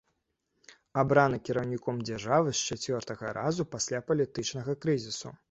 Абраны кіраўніком дзяржавы з чацвёртага разу пасля палітычнага крызісу.